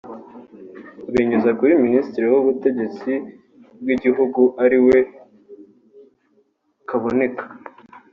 babinyuza kuri Ministre w’ubutegetsi bw’igihugu ari we Kaboneka